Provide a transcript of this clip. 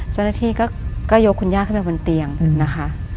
เจ้าหน้าที่ก็ยกคุณย่าขึ้นไปบนเตียงนะคะ